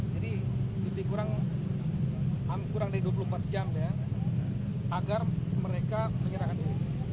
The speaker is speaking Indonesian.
jadi kurang dari dua puluh empat jam ya agar mereka menyerahkan diri